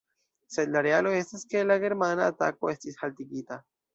Sed la realo estas, ke la germana atako estis haltigita.